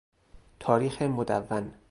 تاریخ مدون